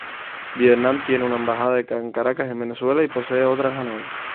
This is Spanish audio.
Vietnam tiene una embajada en Caracas y Venezuela posee otra en Hanoi.